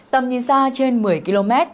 tầm nhìn xa trên một mươi km